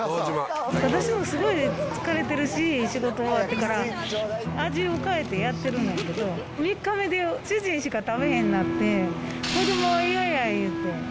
私もすごい疲れてるし、仕事終わってから、味を変えてやってるんだけど、３日目で主人しか食べへんなって、子どもが嫌や言うて。